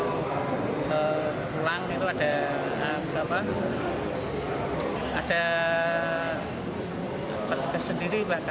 kalau pulang itu ada koper kesendiri